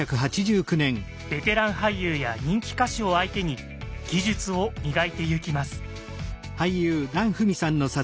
ベテラン俳優や人気歌手を相手に技術を磨いてゆきます。